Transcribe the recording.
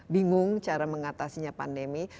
bingung cara mengatasinya pandemi